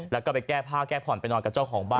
แล้วก็ไปแก้ผ้าแก้ผ่อนไปนอนกับเจ้าของบ้าน